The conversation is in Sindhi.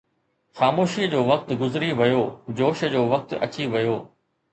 خاموشيءَ جو وقت گذري ويو، جوش جو وقت اچي ويو